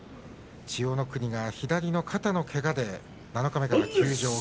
千代の国が左の肩のけがで七日目から休場。